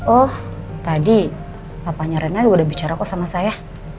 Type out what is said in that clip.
oh tadi papahnya reina udah bicara kok sama saya